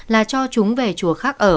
là cho chúng về chùa khác ở